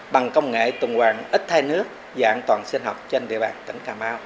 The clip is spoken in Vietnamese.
bằng công nghệ tương quan ít thay nước và an toàn sinh học trên địa bàn tỉnh cà mau